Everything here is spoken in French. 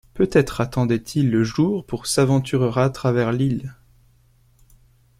Peut-être attendaient-ils le jour pour s’aventurera travers l’île.